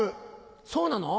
そうなの？